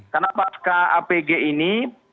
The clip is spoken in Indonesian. karena pas ke apg ini